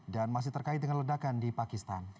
dan masih terkait dengan ledakan di pakistan